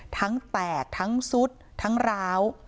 ทั้งแตกทั้งซุดทั้งราว